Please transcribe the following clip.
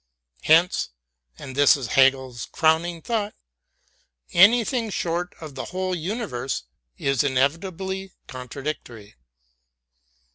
Hence — and this is Hegel's crowning thought — anything short of the whole universe is inevitably contradictory.